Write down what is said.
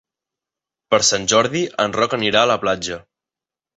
Per Sant Jordi en Roc anirà a la platja.